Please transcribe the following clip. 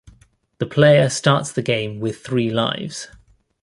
The player starts the game with three lives.